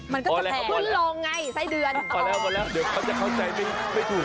มันก็จะแพงพอแล้วพอแล้วเดี๋ยวเขาจะเข้าใจไม่ถูก